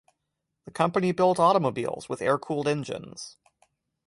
The company built automobiles with air-cooled engines.